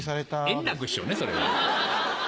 円楽師匠ねそれは。